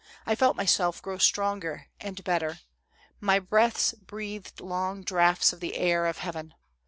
I felt myself grow stronger and better. My lungs breathed long draughts of the air of heaven.